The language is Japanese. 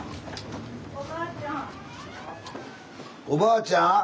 おばあちゃん。